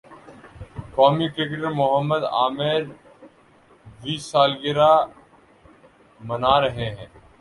قومی کرکٹر محمد عامر ویں سالگرہ منا رہے ہیں